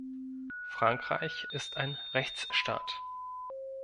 Frankreich ist ein Rechtsstaat.